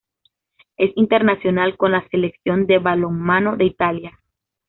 Es internacional con la Selección de balonmano de Italia.